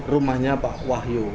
rumahnya pak wahyu